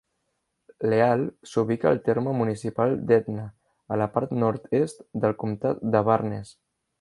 Leal s'ubica al terme municipal d'Edna, a la part nord-est del Comtat de Barnes.